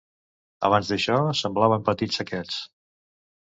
Abans d'això semblaven petits saquets.